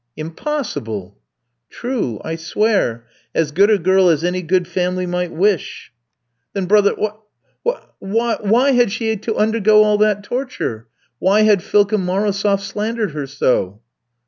"Impossible!" "True, I swear; as good a girl as any good family might wish." "Then, brother, why why why had she had to undergo all that torture? Why had Philka Marosof slandered her so?"